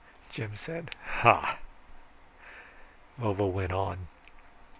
Jim said, "Ha!" Vovo went on.